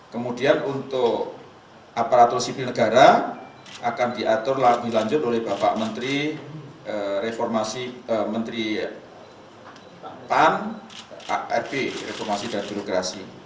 kemudian untuk aparatur sipil negara akan diatur lebih lanjut oleh bapak menteri pan rp reformasi dan burekrasi